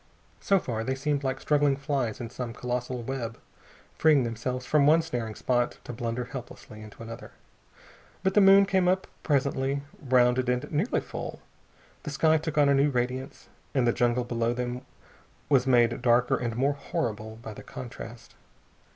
So far they seemed like struggling flies in some colossal web, freeing themselves from one snaring spot to blunder helplessly into another. But the moon came up presently, rounded and nearly full. The sky took on a new radiance, and the jungle below them was made darker and more horrible by the contrast.